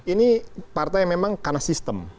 ini partai yang memang karena sistem